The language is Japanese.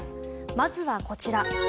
まずはこちら。